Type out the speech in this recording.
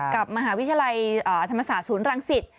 กับมหาวิทยาลัยธรรมศาสตร์ศูนย์รังสิต